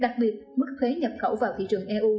đặc biệt mức thuế nhập khẩu vào thị trường eu